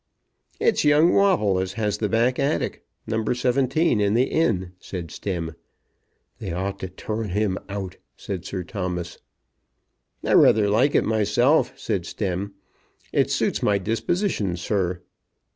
"It's young Wobble as has the back attic, No. 17, in the Inn," said Stemm. "They ought to turn him out," said Sir Thomas. "I rather like it myself," said Stemm. "It suits my disposition, sir."